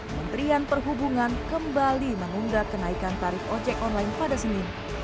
menterian perhubungan kembali mengunggah kenaikan tarif ojek online pada senin